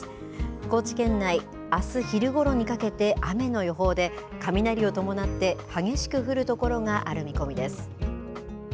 高知県内、あす昼ごろにかけて雨の予報で、雷を伴って激しく降る所がある見込みです。